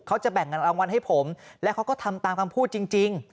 เขาจะแบ่งเงินรางวัลให้ผมและเขาก็ทำตามคำพูดจริง